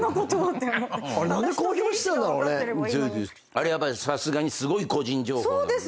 あれやっぱりさすがにすごい個人情報なんで。